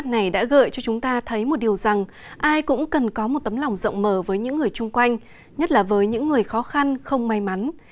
câu hát này đã gợi cho chúng ta thấy một điều rằng ai cũng cần có một tấm lòng rộng mở với những người chung quanh nhất là với những người khó khăn không may mắn